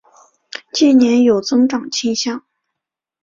近年有增长倾向。